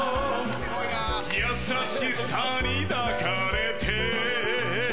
優しさに抱かれて